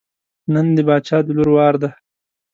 نن د باچا د لور وار دی.